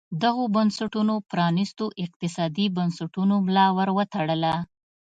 دغو بنسټونو پرانیستو اقتصادي بنسټونو ملا ور وتړله.